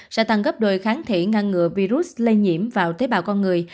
sẽ tăng gấp đôi kháng thể ngăn ngừa virus lây nhiễm vào tế bào con người